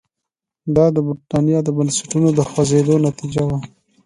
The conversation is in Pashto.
دا د برېټانیا د بنسټونو د خوځېدو نتیجه وه.